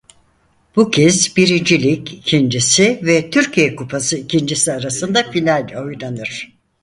Bu kez Birinci Lig ikincisi ve Türkiye Kupası ikincisi arasında final oynanır.